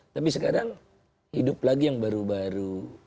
tapi sekarang hidup lagi yang baru baru